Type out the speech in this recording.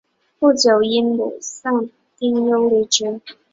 不久因母丧丁忧离职。